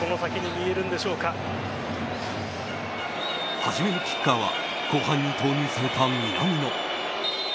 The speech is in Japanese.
初めのキッカーは後半に投入された南野。